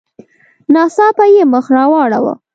ناڅاپه یې مخ را واړاوه.